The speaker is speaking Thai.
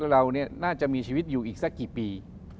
เราน่าจะมีชีวิตอยู่อีกสักกี่ปี